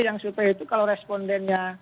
yang survei itu kalau respondennya